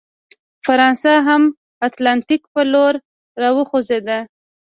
فرانسه هم اتلانتیک په لور راوخوځېده.